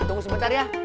tunggu sebentar ya